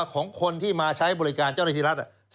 ของคนที่มาใช้บริการเจ้าหน้าที่รัฐ